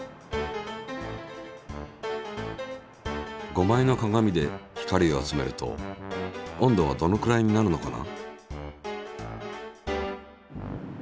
５枚の鏡で光を集めると温度はどのくらいになるのかな？